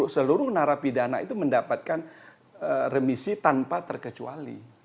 seluruh narapidana itu mendapatkan remisi tanpa terkecuali